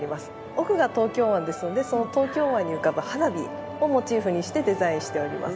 奥が東京湾ですのでその東京湾に浮かぶ花火をモチーフにしてデザインしております。